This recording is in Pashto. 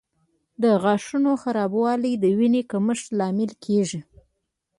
د غاښونو خرابوالی د وینې کمښت لامل ګرځي.